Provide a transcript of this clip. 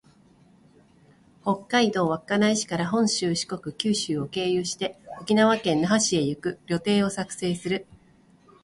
北海道稚内市から本州、四国、九州を経由して、沖縄県那覇市へ行く旅程を作成する